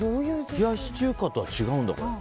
冷やし中華とは違うんだ。